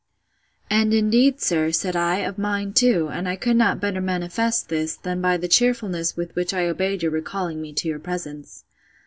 And, indeed, sir, said I, of mind too; and I could not better manifest this, than by the cheerfulness with which I obeyed your recalling me to your presence.